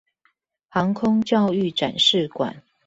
航空教育展示館